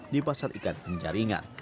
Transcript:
di pasar ikan penjaringan